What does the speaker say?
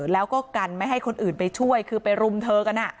แล้วก็กันไม่ให้คนอื่นไปช่วยคือไปรุมเธอกัน